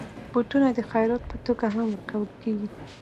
بوټونه د خيرات په توګه هم ورکول کېږي.